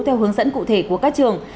theo hướng dẫn cụ thể của các trường